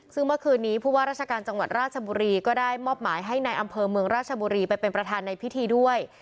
ซึ่งเมื่อคืนนี้ผู้ว่าราชการจังหวัดราชบุรีก็ได้มอบหมายให้ในอำเภอเมืองราชบุรีไปเป็นประธานในพิธีด้วย